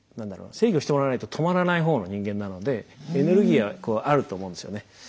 制御してもらわないと止まらない方の人間なのでエネルギーはこうあると思うんですよね。